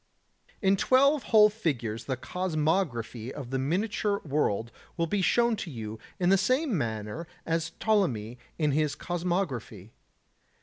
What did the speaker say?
77. In twelve whole figures the cosmography of the miniature world will be shown to you in the same manner as Ptolemy in his cosmography.